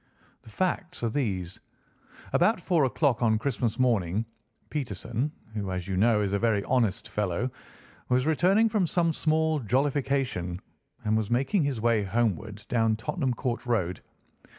The facts are these: about four o'clock on Christmas morning, Peterson, who, as you know, is a very honest fellow, was returning from some small jollification and was making his way homeward down Tottenham Court Road.